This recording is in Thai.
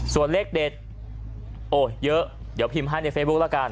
ส่วนเลขเด็ดโอ้เยอะเดี๋ยวพิมพ์ให้ในเฟซบุ๊คละกัน